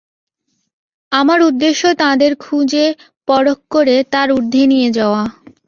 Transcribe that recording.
আমার উদ্দেশ্য তাদের খুঁজে, পরখ করে, তার ঊর্ধ্বে নিয়ে যাওয়া।